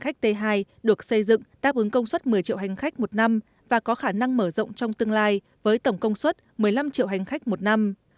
hành khách t hai được xây dựng đáp ứng công suất một mươi triệu hành khách một năm và có khả năng mở rộng trong tương lai với tổng công suất một mươi năm triệu hành khách một năm